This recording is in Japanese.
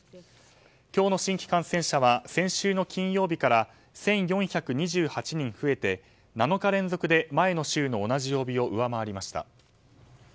今日の新規感染者は先週の金曜日から１４２８人増えて、７日連続で前の週の同じ曜日を上回りました。